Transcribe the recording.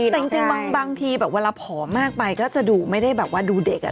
แต่จริงบางทีแบบเวลาผอมมากไปก็จะดูไม่ได้แบบว่าดูเด็ก